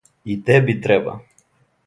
И теби треба.